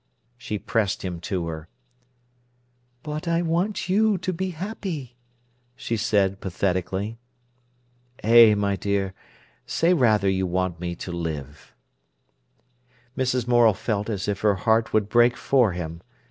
She pressed him to her. "But I want you to be happy," she said pathetically. "Eh, my dear—say rather you want me to live." Mrs. Morel felt as if her heart would break for him.